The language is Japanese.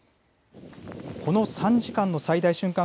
この３時間の最大瞬間